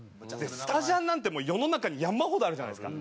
スタジャンなんて世の中に山ほどあるじゃないですか。